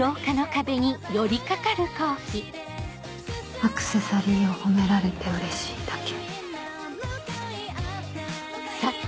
アクセサリーを褒められてうれしいだけ。